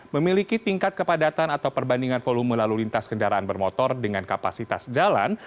memiliki tingkat kepadatan atau perbandingan volume lalu lintas kendaraan bermotor dengan kapasitas jalan